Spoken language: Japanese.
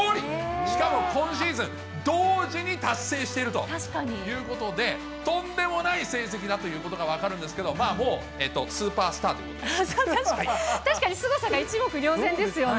しかも今シーズン同時に達成しているということで、とんでもない成績だということが分かるんですけど、もうスーパー確かに、確かにすごさが一目瞭然ですよね。